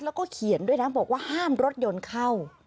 แล้วก็เขียนด้วยนะบอกว่าห้ามรถยนต์เข้า